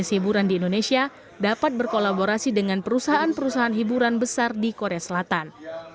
bisnis hiburan di indonesia dapat berkolaborasi dengan perusahaan perusahaan hiburan besar di korea selatan